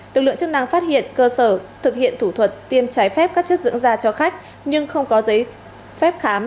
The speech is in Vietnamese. lực lượng chức năng phát hiện cơ sở thực hiện thủ thuật tiêm trái phép các chất dưỡng da cho khách nhưng không có giấy phép khám